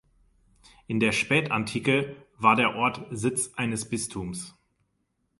In der Spätantike war der Ort Sitz eines Bistums.